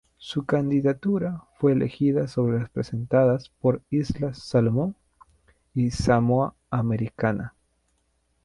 Su candidatura fue elegida sobre las presentadas por Islas Salomón y Samoa Americana.